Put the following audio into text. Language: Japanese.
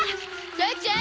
母ちゃん！